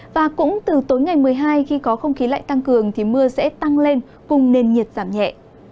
và cũng từ tối ngày một mươi hai khi có không khí lạnh tăng cường thì mưa sẽ tăng lên cùng nền nhiệt giảm nhẹ